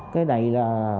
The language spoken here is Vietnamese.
cái này là